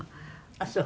あっそう。